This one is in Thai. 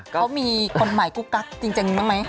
เขามีคนหมายกุ๊กกั๊กจริงมั้ย